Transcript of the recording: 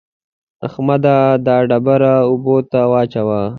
احمده! دا ډبره اوبو ته واچوه.